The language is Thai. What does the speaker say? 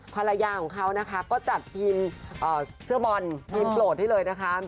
ภรรยาของเขานะคะก็จัดทีมเสื้อบอลทีมโปรดให้เลยนะคะ